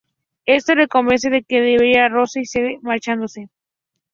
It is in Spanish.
Esto le convence de que debe ir con Rose, y cede, marchándose.